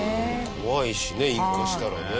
怖いしね引火したらね。